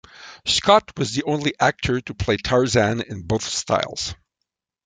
Scott was the only actor to play Tarzan in both styles.